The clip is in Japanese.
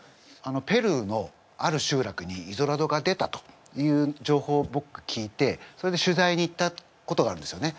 ペルーのある集落にイゾラドが出たという情報ぼく聞いてそれで取材に行ったことがあるんですよね。